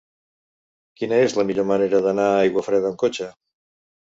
Quina és la millor manera d'anar a Aiguafreda amb cotxe?